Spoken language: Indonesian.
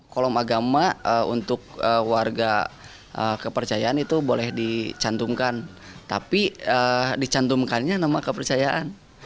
kolom agama untuk warga kepercayaan itu boleh dicantumkan tapi dicantumkannya nama kepercayaan